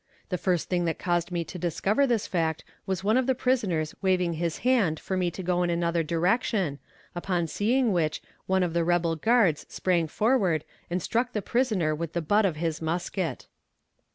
The first thing that caused me to discover this fact was one of the prisoners waving his hand for me to go in another direction, upon seeing which one of the rebel guards sprang forward and struck the prisoner with the butt of his musket.